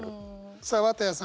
さあ綿矢さん